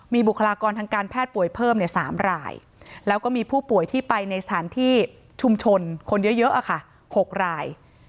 มีบุคลากรทางการแพทย์ป่วยเพิ่ม๓รายแล้วก็มีผู้ป่วยที่ไปในสถานที่ชุมชนคนเยอะค่ะ๖ราย